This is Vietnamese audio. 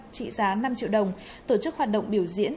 trị giá năm triệu đồng tổ chức hoạt động biểu diễn